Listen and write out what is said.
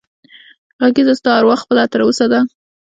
غږېږه ستا اروا خپله تر اوسه ده